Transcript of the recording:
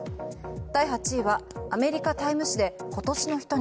第８位はアメリカ「タイム」誌で今年の人に。